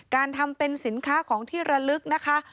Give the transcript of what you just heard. การทำเป็นสินค้าของที่ระลึกนะคะ